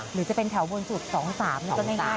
หรือจะเป็นแถวบนสุด๒๓ก็ง่าย